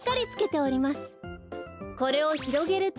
これをひろげると。